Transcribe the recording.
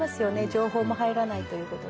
情報も入らないということで。